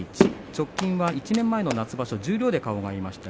直近は１年前の夏場所に十両で顔が合いました。